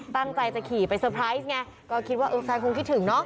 ตั้งใจจะขี่ไปเซอร์ไพรส์ไงก็คิดว่าเออแฟนคงคิดถึงเนาะ